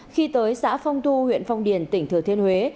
khi tới xã phong thu huyện phong điền tỉnh thừa thiên huế